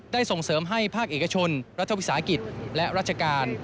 ส่งเสริมให้ภาคเอกชนรัฐวิสาหกิจและราชการ